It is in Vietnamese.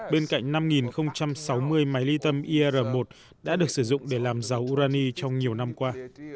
bên cạnh năm sáu mươi máy ly tâm ir một đã được sử dụng để làm dầu urani trong nhiều năm qua